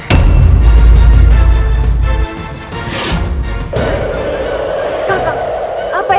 ya kita akan melakukannya